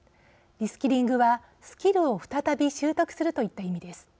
リスキリングはスキルを再び習得するといった意味です。